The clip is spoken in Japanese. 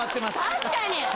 確かに。